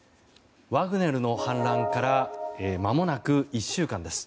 ワグネルの反乱からまもなく１週間です。